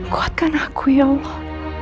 kuatkan aku ya allah